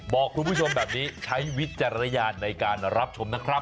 บอกคุณผู้ชมแบบนี้ใช้วิจารณญาณในการรับชมนะครับ